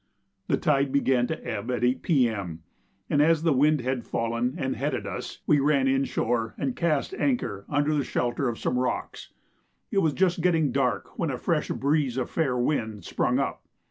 The tide began to ebb at 8 P.M., and as the wind had fallen and headed us, we ran in shore and cast anchor under the shelter of some rocks. It was just getting dark when a fresh breeze of fair wind sprung up.